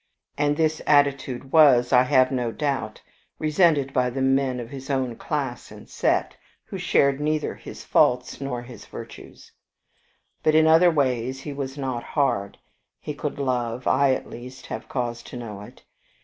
And this attitude was, I have no doubt, resented by the men of his own class and set, who shared neither his faults nor his virtues. But in other ways he was not hard. He could love; I, at least, have cause to know it.